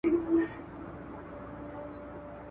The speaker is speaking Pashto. د پانګي تولید په هیواد کي کمزوری نه دی.